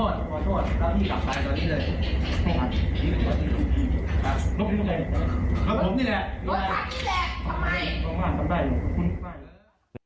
นี่คือพี่นกที่กำเนยแล้วผมนี่แหละนกที่แหละทำไม